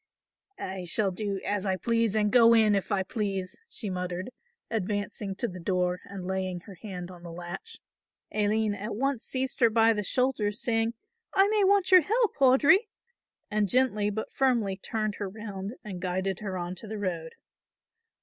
"I shall do as I please and go in if I please," she muttered, advancing to the door and laying her hand on the latch. Aline at once seized her by the shoulders, saying, "I may want your help, Audry," and gently but firmly turned her round and guided her on to the road.